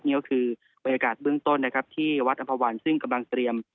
นี่ก็คือบรรยากาศเบื้องต้นนะครับที่วัดอำภาวันซึ่งกำลังเตรียม